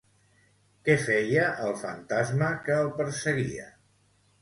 Què feia el fantasma que el perseguia?